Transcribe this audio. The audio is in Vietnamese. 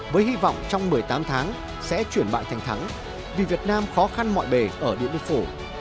với hy vọng trong một mươi tám tháng sẽ chuyển bại thành thắng vì việt nam khó khăn mọi bề ở điện biên phủ